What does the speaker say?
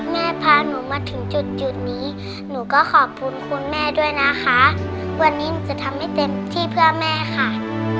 แม่พาหนูมาถึงจุดนี้หนูก็ขอบคุณคุณแม่ด้วยนะคะวันนี้หนูจะทำให้เต็มที่เพื่อแม่ค่ะ